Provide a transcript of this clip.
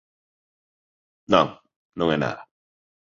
Non, non é nada.